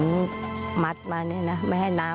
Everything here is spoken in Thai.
ป้าก็ทำของคุณป้าได้ยังไงสู้ชีวิตขนาดไหนติดตามกัน